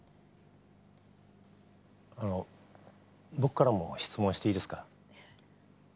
あの僕からも質問していいですか？